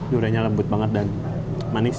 duriannya lembut banget dan manis